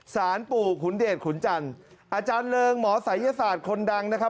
สารปู่ขุนเดชขุนจันทร์อาจารย์เริงหมอศัยศาสตร์คนดังนะครับ